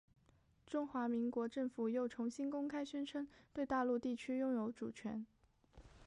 中华民国政府又重新公开宣称对大陆地区拥有主权。